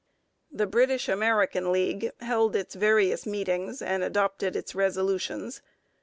The British American League held its various meetings and adopted its resolutions.